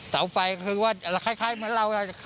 สาวไฟคือเราช๒๐๑๐น